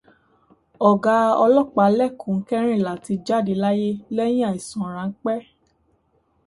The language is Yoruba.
Ọ̀gá ọlọ́pàá lẹ́kùn kẹrìnlá ti jáde láyé lẹ́yìn àìsàn ráńpẹ́.